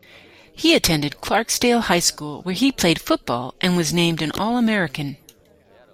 He attended Clarksdale High School, where he played football and was named an All-American.